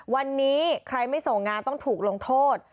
วันนี้ใครไม่ส่งงานต้องถูกลงโทษ